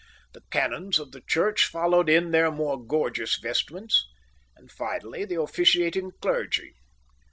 The canons of the church followed in their more gorgeous vestments, and finally the officiating clergy.